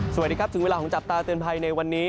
สวัสดีครับถึงเวลาของจับตาเตือนภัยในวันนี้